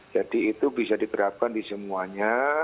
jadi itu bisa diterapkan di semuanya